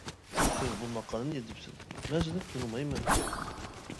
سىز بۇ ماقالىنى يېزىپسىز، مەن سىزنى تونۇمايمەن.